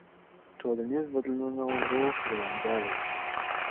ټولنیز بدلونونه ورو خو دوامداره وي.